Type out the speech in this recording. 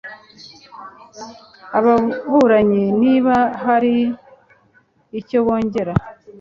ababuranyi niba hari icyo bongera